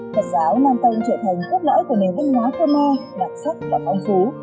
phật giáo nam tông trở thành cốt lõi của nền văn hóa khô nê đặc sắc và phong phú